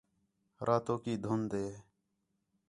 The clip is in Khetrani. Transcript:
راتوکی دُھن٘د ہِے